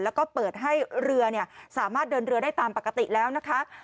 แล้วก็เปิดให้เรือสามารถเดินเรือได้ตามปกติแล้วนะคะ